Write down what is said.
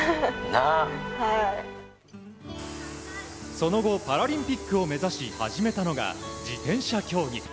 その後パラリンピックを目指し始めたのが自転車競技。